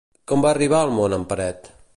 Com va arribar al món en Peret?